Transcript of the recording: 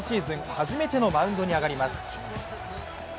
初めてのマウンドに上がります。